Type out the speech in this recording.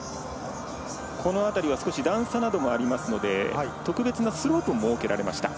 この辺りは段差などもありますので特別なスロープも設けられました。